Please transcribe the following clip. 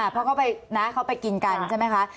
เพราะน้าเขาไปกินกันใช่ไหมคะ